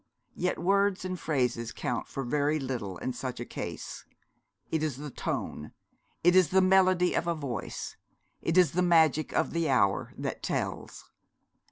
Yet words and phrases count for very little in such a case. It is the tone, it is the melody of a voice, it is the magic of the hour that tells.